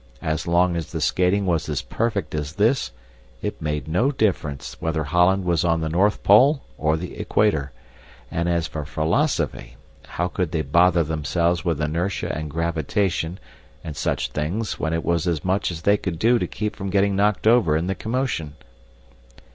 As long as the skating was as perfect as this, it made no difference whether Holland were on the North Pole or the equator; and, as for philosophy, how could they bother themselves with inertia and gravitation and such things when it was as much as they could do to keep from getting knocked over in the commotion.